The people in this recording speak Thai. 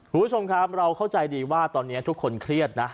คุณผู้ชมครับเราเข้าใจดีว่าตอนนี้ทุกคนเครียดนะ